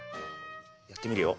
やってみるよ？